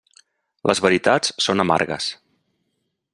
Les veritats són amargues.